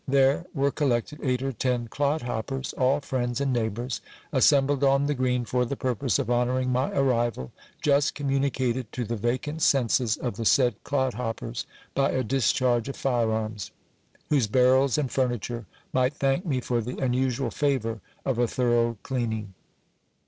There were collected eight or ten clodhoppers, all friends and neighbours, assembled on the green for the purpose of honouring my arrival, just communicated to the vacant senses of the said clodhoppers, by a discharge of fire arms, whose barrels and furniture might thank me for the unusual favour of a thorough cleaning.